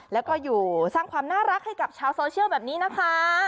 แล้วก็อยู่สร้างความน่ารักให้กับชาวโซเชียลแบบนี้นะคะ